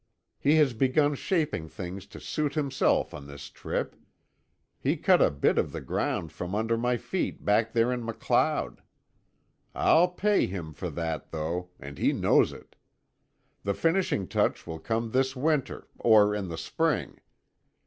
He has begun shaping things to suit himself on this trip. He cut a bit of the ground from under my feet back there in MacLeod. I'll pay him for that, though; and he knows it. The finishing touch will come this winter, or in the spring.